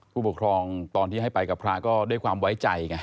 ผู้ปกครองตอนที่ให้ไปกับพระก็ด้วยความไว้ใจไง